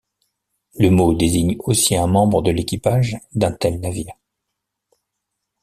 Le mot désigne aussi un membre de l'équipage d'un tel navire.